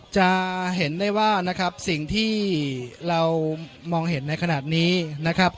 จะเห็นได้ว่านะครับสิ่งที่เรามองเห็นในขณะนี้นะครับ